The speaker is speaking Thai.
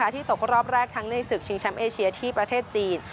ที่ตกรอบแรกทั้งในศึกชิงแชมป์เอเชียที่ประเทศจีน